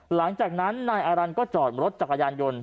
หลังจากนั้นนายอารันทร์ก็จอดรถจักรยานยนต์